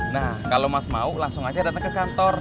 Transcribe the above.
nah kalau mas mau langsung aja datang ke kantor